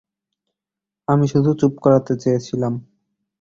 আমি শুধু চুপ করাতে চেয়েছিলাম।